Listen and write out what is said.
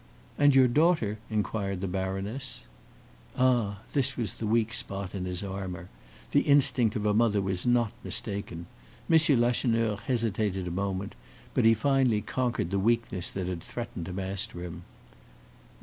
"And your daughter?" inquired the baroness. Ah! this was the weak spot in his armor; the instinct of a mother was not mistaken. M. Lacheneur hesitated a moment; but he finally conquered the weakness that had threatened to master him.